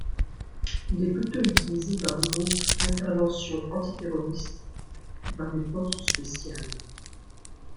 Il est plutôt utilisé par des groupes d'intervention anti-terroristes ou par des forces spéciales.